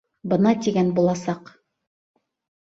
Бына тигән буласаҡ.